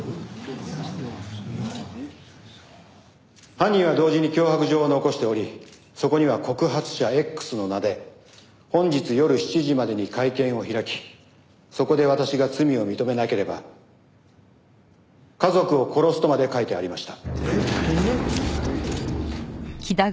犯人は同時に脅迫状を残しておりそこには告発者Ｘの名で本日夜７時までに会見を開きそこで私が罪を認めなければ家族を殺すとまで書いてありました。